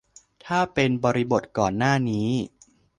ถ้าเป็นบริบทก่อนหน้านี้